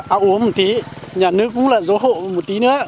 áo uống một tí nhà nước cũng là số hộ một tí nữa